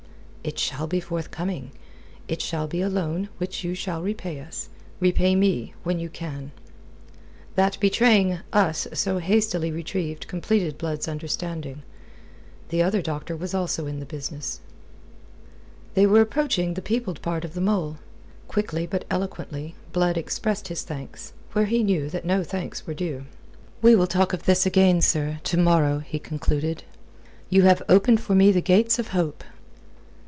"It shall be forthcoming. It shall be a loan, which you shall repay us repay me, when you can." That betraying "us" so hastily retrieved completed Blood's understanding. The other doctor was also in the business. They were approaching the peopled part of the mole. Quickly, but eloquently, Blood expressed his thanks, where he knew that no thanks were due. "We will talk of this again, sir to morrow," he concluded. "You have opened for me the gates of hope."